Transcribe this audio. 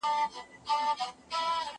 زه هره ورځ بازار ته ځم،